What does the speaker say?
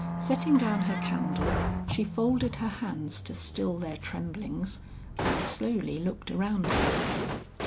Setting down her candle, she folded her hands to still their tremblings, and slowly looked around her.